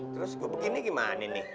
terus gue begini gimana nih